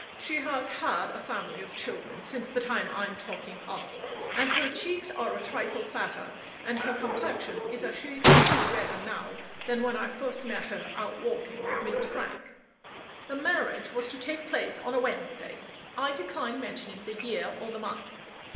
She has had a family of children since the time I'm talking of; and her cheeks are a trifle fatter, and her complexion is a shade or two redder now, than when I first met her out walking with Mr. Frank. The marriage was to take place on a Wednesday. I decline mentioning the year or the month.